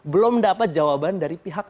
belum dapat jawaban dari pihak